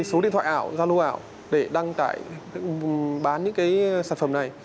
số điện thoại ảo giao lô ảo để đăng tải bán những sản phẩm này